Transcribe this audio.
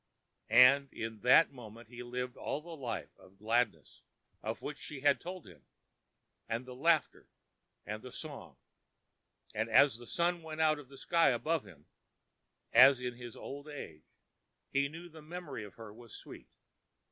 And in that moment he lived all the life of gladness of which she had told him, and the laughter and the song, and as the sun went out of the sky above him, as in his old age, he knew the memory of her was sweet.